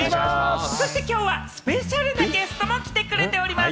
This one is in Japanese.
きょうはスペシャルなゲストも来てくれております。